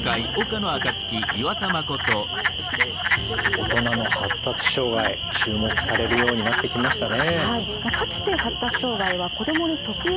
大人の発達障害注目されるようになってきましたね。